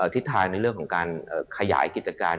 ทิศทางในเรื่องของการขยายกิจการ